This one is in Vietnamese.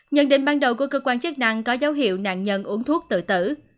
nhận định ban đầu của cơ quan chức năng có dấu hiệu nạn nhân uống thuốc tự tử